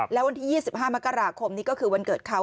แล้ววันที่๒๕มกราคมนี้ก็คือวันเกิดเขา